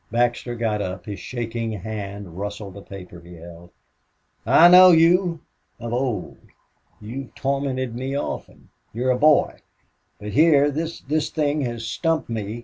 Baxter got up. His shaking hand rustled a paper he held. "I know you of old. You've tormented me often. You're a boy... But here this this thing has stumped me.